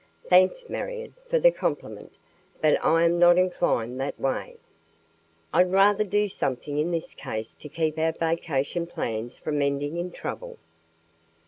"Thanks, Marion, for the compliment, but I am not inclined that way. I'd rather do something in this case to keep our vacation plans from ending in trouble."